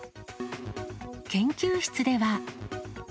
研究室では。